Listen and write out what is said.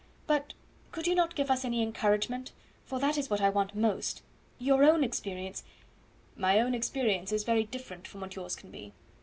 But could you not give us any encouragement, for that is what I want most? Your own experience " "My own experience is very different from what yours can be.